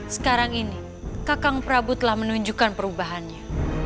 sekarang ini kakang prabu telah menunjukkan perubahannya